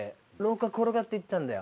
廊下転がっていったんだよ